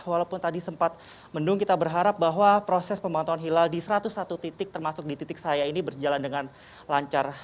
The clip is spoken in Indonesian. walaupun tadi sempat mendung kita berharap bahwa proses pemantauan hilal di satu ratus satu titik termasuk di titik saya ini berjalan dengan lancar